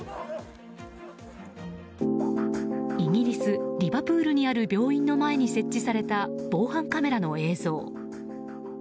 イギリス・リバプールにある病院の前に設置された防犯カメラの映像。